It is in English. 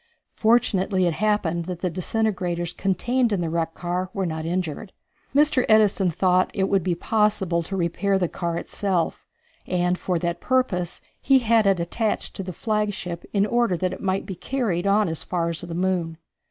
Fortunately it happened that the disintegrators contained in the wrecked car were not injured. Mr. Edison thought that it would be possible to repair the car itself, and for that purpose he had it attached to the flagship in order that it might be carried on as far as the moon.